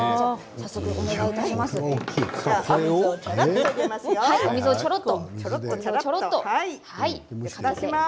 早速お願いします。